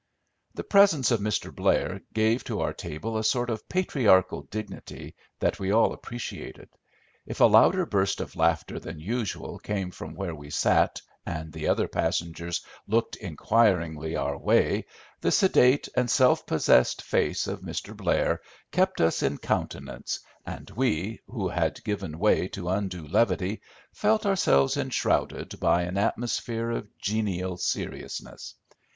The presence of Mr. Blair gave to our table a sort of patriarchal dignity that we all appreciated. If a louder burst of laughter than usual came from where we sat and the other passengers looked inquiringly our way the sedate and self possessed face of Mr. Blair kept us in countenance, and we, who had given way to undue levity, felt ourselves enshrouded by an atmosphere of genial seriousness.